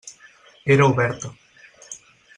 Era oberta.